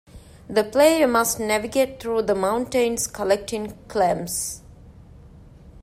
The player must navigate through the mountains, collecting clams.